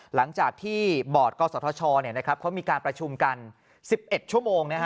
หลังจากที่บอร์ดกศธชเขามีการประชุมกัน๑๑ชั่วโมง